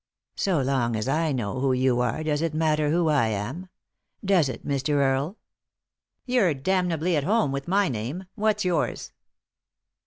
" So long as I know who you are, does it matter who I am ?— does it, Mr. Earle ?"" You're damnably at home with my name ; what's yours?"